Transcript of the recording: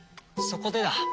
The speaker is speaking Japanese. そこでだ。